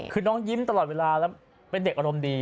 คือน้องยิ้มตลอดเวลาแล้วเป็นเด็กอารมณ์ดี